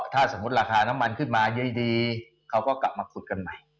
ถ้าสมมุติราคาน้ำมันขึ้นมาดีเขาก็กลับมาขุดกันใหม่